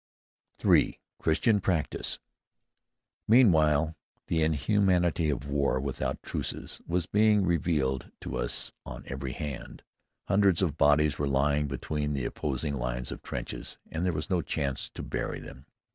III. CHRISTIAN PRACTICE Meanwhile, the inhumanity of a war without truces was being revealed to us on every hand. Hundreds of bodies were lying between the opposing lines of trenches and there was no chance to bury them.